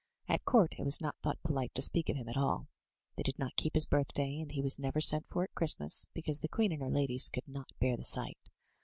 At court it was not thought polite to speak of him at all. They did not keep his birthday, and he was never sent for at Christmas, because the queen and her ladies could not bear the sight.